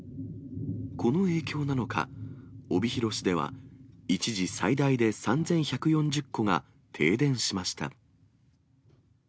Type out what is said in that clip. この影響なのか、帯広市では一時、最大で３１４０戸が停電しました。